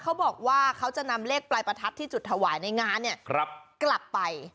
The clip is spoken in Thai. เขาบอกว่าเขาจะนำเลขปลายประทัดที่จุดถวายในงานเนี่ยกลับไป